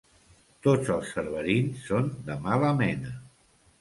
Tots els cerverins són de mala mena.